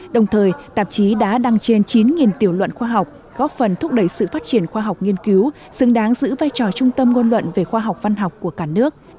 đồng thời tạp chí đã đăng trên chín tiểu luận khoa học góp phần thúc đẩy sự phát triển khoa học nghiên cứu xứng đáng giữ vai trò trung tâm ngôn luận về khoa học văn học của cả nước